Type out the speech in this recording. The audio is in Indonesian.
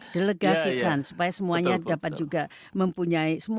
delegasikan supaya semuanya dapat juga mempunyai semua